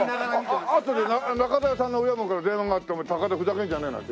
あとで中田屋さんの親分から電話があって高田ふざけんじゃねえなんて。